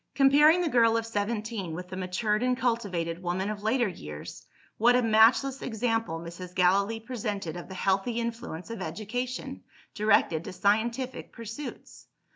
Comparing the girl of seventeen with the matured and cultivated woman of later years, what a matchless example Mrs. Gallilee presented of the healthy influence of education, directed to scientific pursuits!